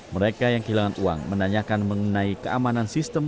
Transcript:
mereka yang kehilangan uang menanyakan mengenai keamanan sistem